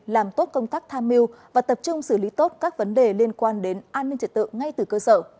làm tốt công tác tham mưu và tập trung xử lý tốt các vấn đề liên quan đến an ninh trật tự ngay từ cơ sở